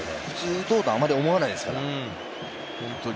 普通、打とうとあまり思わないですから。